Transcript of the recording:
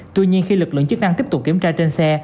tuy nhiên khi lực lượng chức năng tiếp tục kiểm tra trên xe